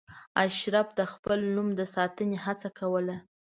اشراف د خپل نوم د ساتنې هڅه کوله.